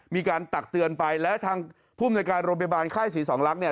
มีการตักเตือนไปและทางผู้อำนวยการโรงพยาบาลไข้ศรีสองลักษณ์เนี่ย